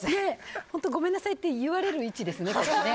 本当ごめんなさいって言われる位置ですね。